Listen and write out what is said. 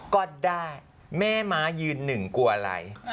ก็ได้แม่ม้ายืนหนึ่งกลัวอะไร